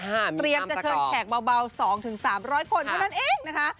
เตรียมจะเชิญแขกเบา๒๓๐๐คนเท่านั้นเองนะคะ